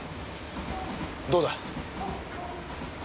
どうだ？